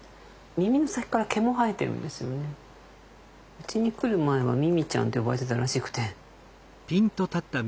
うちに来る前はミミちゃんって呼ばれてたらしくて。